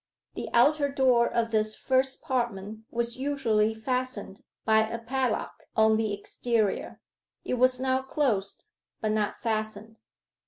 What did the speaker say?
The outer door of this first apartment was usually fastened by a padlock on the exterior. It was now closed, but not fastened.